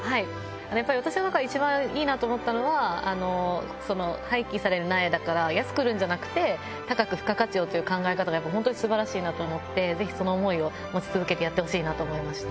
やっぱり私のなかでいちばんいいなと思ったのは廃棄される苗だから安く売るんじゃなくて高く付加価値をという考え方がホントにすばらしいなと思ってぜひその思いを持ち続けてやってほしいなと思いました。